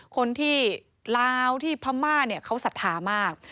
คนที่ลาวที่พระม่าเขาศรัทธามาก